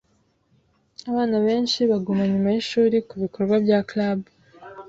Abana benshi baguma nyuma yishuri kubikorwa bya club.